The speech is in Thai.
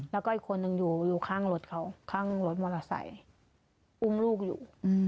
แล้วก็อีกคนนึงอยู่ข้างรถเขาข้างรถมอเตอร์ไซค์อุ้มลูกอยู่